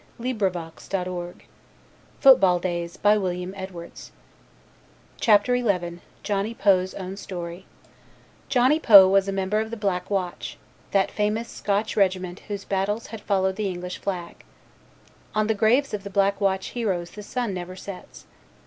[Illustration: JOHNNY POE, FOOTBALL PLAYER AND SOLDIER] CHAPTER XI JOHNNY POE'S OWN STORY Johnny Poe was a member of the Black Watch, that famous Scotch Regiment whose battles had followed the English flag. On the graves of the Black Watch heroes the sun never sets.